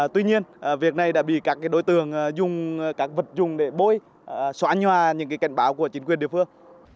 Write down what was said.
tuy nhiên việc này đã bị các đối tượng dùng các vật dùng để bôi xóa nhoa những cảnh báo của chính quyền địa phương